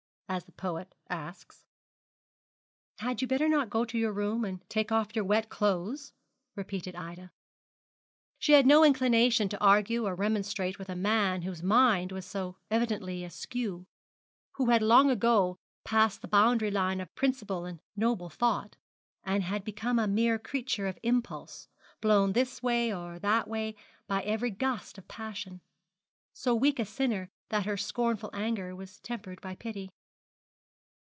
as the poet asks.' 'Had you not better go to your room and take off your wet clothes?' repeated Ida. She had no inclination to argue or remonstrate with a man whose mind was so evidently askew, who had long ago passed the boundary line of principle and noble thought, and had become a mere creature of impulse, blown this way or that way by every gust of passion, so weak a sinner that her scornful anger was tempered by pity.